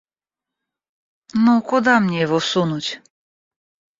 Ну, куда мне его сунуть?